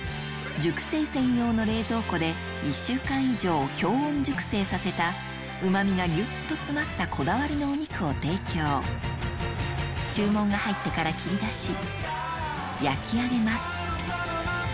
熟成専用の冷蔵庫で１週間以上氷温熟成させたうまみがギュっと詰まったこだわりのお肉を提供注文が入ってから切り出し焼き上げます